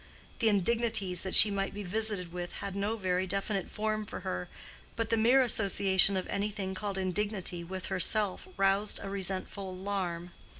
The "indignities" that she might be visited with had no very definite form for her, but the mere association of anything called "indignity" with herself, roused a resentful alarm.